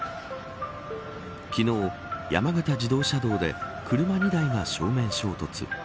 昨日、山形自動車道で車２台が正面衝突。